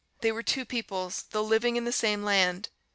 They were two peoples, though living in the same land.